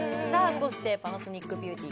そしてパナソニックビューティ